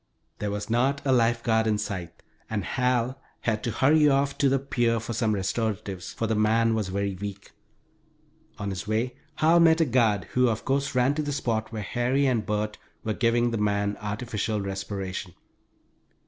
There was not a life guard in sight, and Hal had to hurry off to the pier for some restoratives, for the man was very weak. On his way, Hal met a guard who, of course, ran to the spot where Harry and Bert were giving the man artificial respiration.